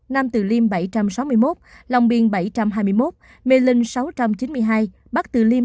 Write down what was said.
nam từ liêm bảy trăm sáu mươi một lòng biên bảy trăm hai mươi một mê linh sáu trăm chín mươi hai bắc từ liêm sáu trăm chín mươi hai